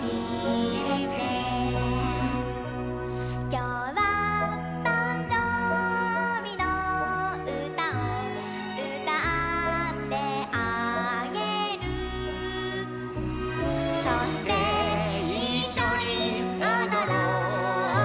「きょうはたんじょうびのうたをうたってあげる」「そしていっしょにおどろうようでをくんで、、、」